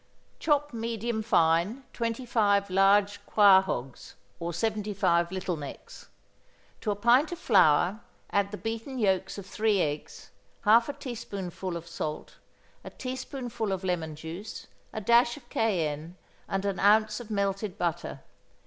= Chop medium fine twenty five large quahaugs, or seventy five Little Necks. To a pint of flour add the beaten yolks of three eggs, half a teaspoonful of salt, a teaspoonful of lemon juice, a dash of cayenne, and an ounce of melted butter.